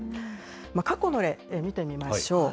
過去の例、見てみましょう。